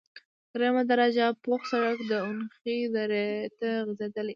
دریمه درجه پوخ سرک د اونخې درې ته غزیدلی،